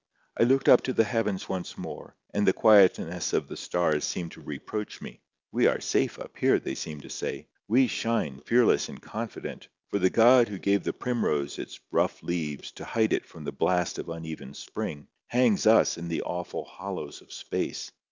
I looked up to the heavens once more, and the quietness of the stars seemed to reproach me. "We are safe up here," they seemed to say: "we shine, fearless and confident, for the God who gave the primrose its rough leaves to hide it from the blast of uneven spring, hangs us in the awful hollows of space.